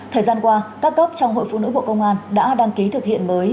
thời gian qua các cấp trong hội phụ nữ bộ công an đã đăng ký thực hiện mới